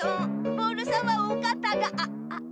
ボールさんはおかたがあ。